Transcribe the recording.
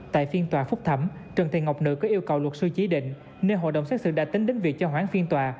tại phiên tòa phúc thẩm trần thị ngọc nữ có yêu cầu luật sư chí định nên hội đồng xét xử đã tính đến việc cho hoãn phiên tòa